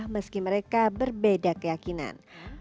meski mereka berbeda keyakinan